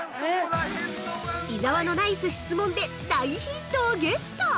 ◆伊沢のナイス質問で大ヒントをゲット！